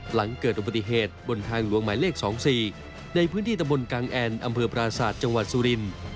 หลังเกิดอุบัติเหตุบนทางหลวงหมายเลข๒๔ในพื้นที่ตะบนกางแอนอำเภอปราศาสตร์จังหวัดสุรินทร์